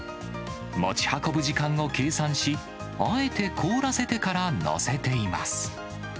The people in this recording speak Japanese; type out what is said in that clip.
持ち運ぶ時間を計算し、あえて凍らせてから載せています。